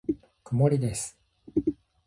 曇りです。